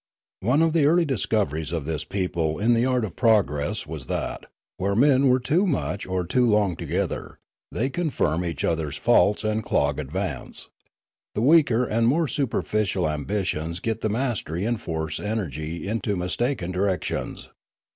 One of the early discoveries of this people in the art of progress was tbat, where men are too much or too long together, they confirm each other's faults and clog advance; the weaker and more superficial ambitions get the mastery and force energy into mistaken directions.